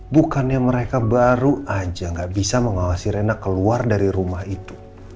bukannya mereka baru aja gak bisa mengawasi rena keluar dari rumah itu